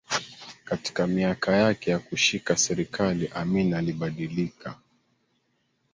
Katika miaka yake ya kushika serikali Amin alibadilika